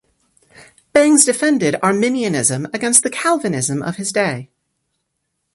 Bangs defended Arminianism against the Calvinism of his day.